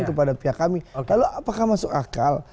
kepada pihak kami lalu apakah masuk akal